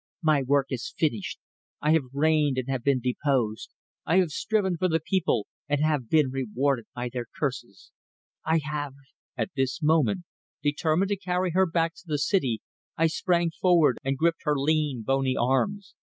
My work is finished! I have reigned and have been deposed; I have striven for the people, and have been rewarded by their curses; I have " At this moment, determined to carry her back to the city, I sprang forward and gripped her lean, bony arms.